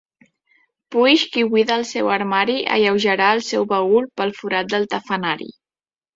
Puix qui buida el seu armari, alleujarà el seu baül pel forat del tafanari.